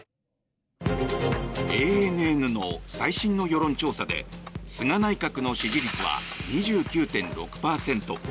ＡＮＮの最新の世論調査で菅内閣の支持率は２９．６％。